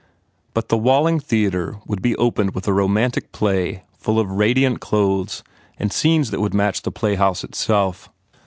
But the Walling Theatre would be opened with a romantic play full of radiant clothes and scenes that would match the playhouse itself.